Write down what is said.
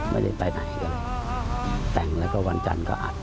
ไม่ได้ไปไหนเลยแต่งแล้วก็วันจันทร์ก็อัด